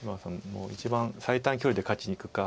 もう一番最短距離で勝ちにいくか。